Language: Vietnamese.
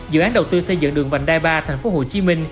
dự án đầu tư xây dựng đường vành đai ba tp hcm